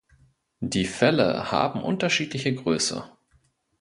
Die Felle haben unterschiedliche Größe.